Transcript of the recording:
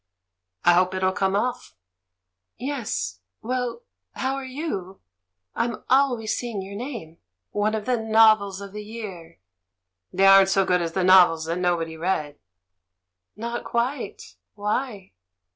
"I hope it'll come off." "Yes. ... Well, how are you? I'm always seeing your name — 'one of the novels of the year' !" "They aren't so good as the novels that nobody read." "Not quite. Why?"